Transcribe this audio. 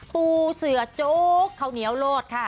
ปูเสือจุ๊กเขาเหนียวโลด